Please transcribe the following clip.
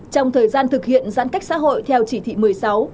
trong thời gian thực hiện giãn cách xã hội theo chỉ thị một mươi sáu